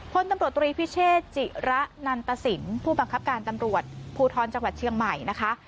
พลตำรวจตรีพิเชษจิระนันตสินผู้บังคับการตำรวจภูทรจังหวัดเชียงใหม่นะคะ